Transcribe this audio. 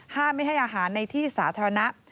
ไม่ให้อาหารในที่สาธารณะ